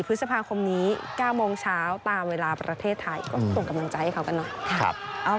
พฤษภาคมนี้๙โมงเช้าตามเวลาประเทศไทยก็ส่งกำลังใจให้เขากันเนอะ